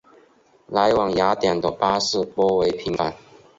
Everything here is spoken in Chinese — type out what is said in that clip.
来往雅典的巴士颇为频繁。